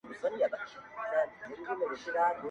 وزیران وه که قاضیان د ده خپلوان وه؛